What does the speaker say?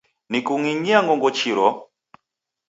Nikuging'ia ngongochiro!